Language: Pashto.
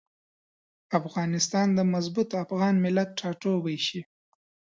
افغانستان د مضبوط افغان ملت ټاټوبی شي.